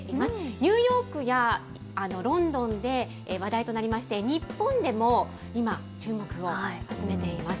ニューヨークやロンドンで話題となりまして、日本でも今、注目を集めています。